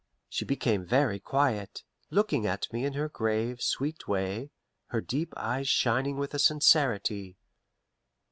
She became very quiet, looking at me in her grave, sweet way, her deep eyes shining with a sincerity.